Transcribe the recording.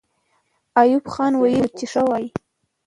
ایوب خان ویلي وو چې ښه وایي.